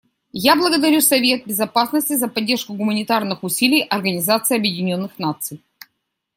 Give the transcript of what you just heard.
Я благодарю Совет Безопасности за поддержку гуманитарных усилий Организации Объединенных Наций.